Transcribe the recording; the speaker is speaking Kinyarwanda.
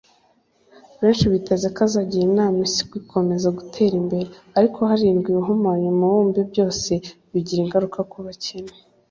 Benshi biteze ko azagira inama Isi gukomeza gutera imbere ariko hirindwa ibihumanya umubumbe byose bigira ingaruka ku bakene